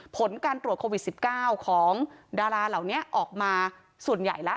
ผลการตรวจโควิด๑๙ของดาราเหล่านี้ออกมาส่วนใหญ่แล้ว